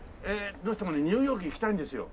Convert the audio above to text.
どうしてもねニューヨーク行きたいんですよ。